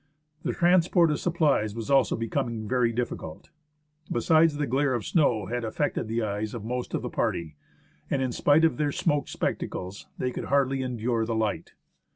The transport of supplies was also becoming very difficult. Besides, the glare of the snow had affected the eyes of most of the party, and in spite of their smoked spectacles, they could hardly endure the light.